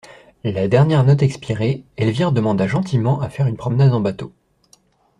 La dernière note expirée, Elvire demanda gentiment à faire une promenade en bateau.